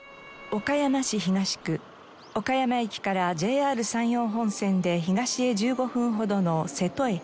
岡山駅からＪＲ山陽本線で東へ１５分ほどの瀬戸駅。